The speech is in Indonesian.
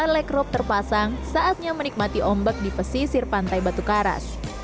lakrop terpasang saatnya menikmati ombak di pesisir pantai batu karas